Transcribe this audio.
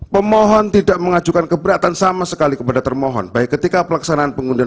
pemohon tidak mengajukan keberatan sama sekali kepada termohon baik ketika pelaksanaan pengundian